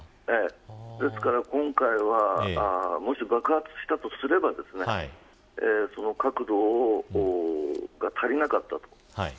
今回もし爆発したとすればその角度が足りなかったと。